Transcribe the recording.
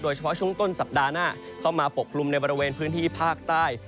เฉพาะช่วงต้นสัปดาห์หน้าเข้ามาปกคลุมในบริเวณพื้นที่ภาคใต้